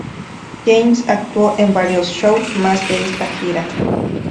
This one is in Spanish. James actuó en varios shows más de esta gira.